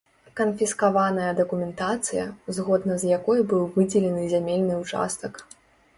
Канфіскаваная дакументацыя, згодна з якой быў выдзелены зямельны ўчастак.